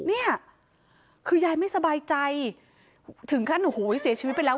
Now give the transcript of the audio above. เนี่ยคือยายไม่สบายใจถึงขั้นโอ้โหเสียชีวิตไปแล้ว